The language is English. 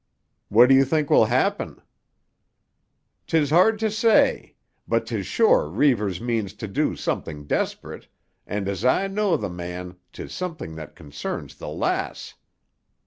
"What do you think will happen?" "'Tis hard to say. But 'tis sure Reivers means to do something desperate, and as I know the man 'tis something that concerns the lass.